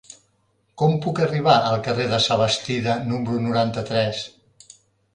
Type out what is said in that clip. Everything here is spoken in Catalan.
Com puc arribar al carrer de Sabastida número noranta-tres?